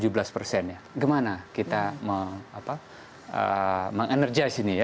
bagaimana kita mengerjai sini ya